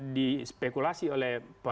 di spekulasi oleh pak